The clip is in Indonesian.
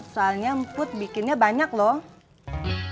soalnya put bikinnya banyak lho